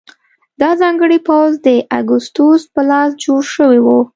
دا ځانګړی پوځ د اګوستوس په لاس جوړ شوی و.